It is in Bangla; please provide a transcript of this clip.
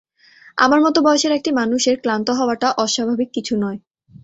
আমার মতো বয়সের একটি মানুষের ক্লান্ত হওয়াটা অস্বাভাবিক কিছু নয়।